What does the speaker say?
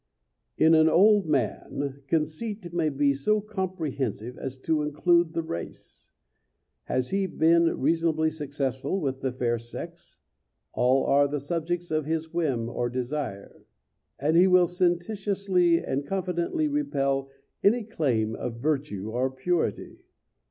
In an old man conceit may be so comprehensive as to include the race. Has he been reasonably successful with the fair sex, all are the subjects of his whim or desire; and he will sententiously and confidently repel any claim of virtue or purity.